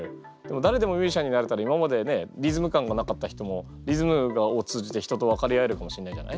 だれでもミュージシャンになれたら今までねリズム感がなかった人もリズムを通じて人と分かり合えるかもしれないじゃない？